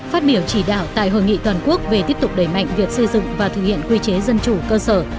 phát biểu chỉ đạo tại hội nghị toàn quốc về tiếp tục đẩy mạnh việc xây dựng và thực hiện quy chế dân chủ cơ sở